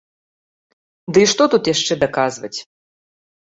Ды і што тут яшчэ даказваць?